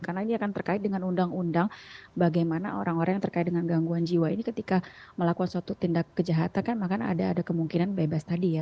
karena itu kan terkait dengan undang undang bagaimana orang orang yang terkait dengan gangguan jiwa ini ketika melakukan suatu tindak kejahatan kan maka ada kemungkinan bebas tadi ya